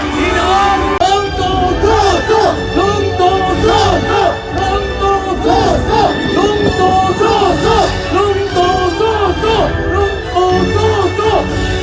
พี่น้องลุงตูซ่อซ่อลุงตูซ่อซ่อ